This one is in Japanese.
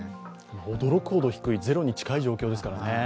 驚くほど低い、ゼロに近い状況ですからね。